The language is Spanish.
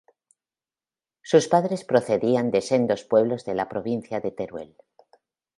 Sus padres procedían de sendos pueblos de la provincia de Teruel.